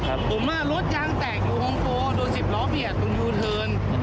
ผมว่ารถยางแตกอยู่ห้องก่อนโดด๑๐รอเผียดอยู่ทิวเทิร์น